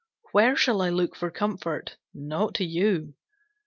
Where shall I look for comfort? Not to you.